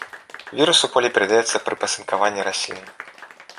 Вірус у полі перадаецца пры пасынкаванні раслін.